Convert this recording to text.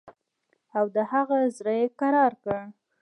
او د هغه زړه یې کرار کړ.